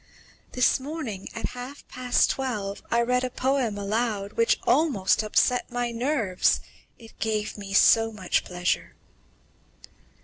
This morning, at half past twelve, I read a poem aloud which almost upset my nerves, it gave me so much pleasure."